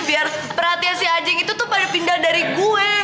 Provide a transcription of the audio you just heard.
biar perhatian si anjing itu tuh pada pindah dari gue